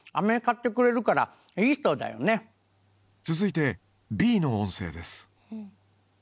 続いてＢの音声です。